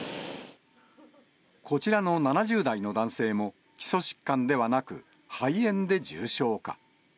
こちらの７０代の男性も、基礎疾患ではなく、肺炎で重症化。